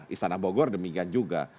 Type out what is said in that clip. istana bogor demikian juga